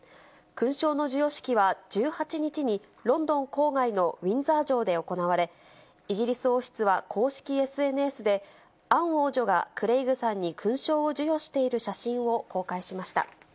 勲章の授与式は１８日に、ロンドン郊外のウィンザー城で行われ、イギリス王室は公式ＳＮＳで、アン王女がクレイグさんに勲章を授与している写真を公開しました。